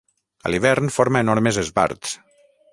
A l'hivern forma enormes esbarts.